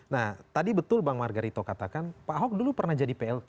nah tadi betul bang margarito katakan pak ahok dulu pernah jadi plt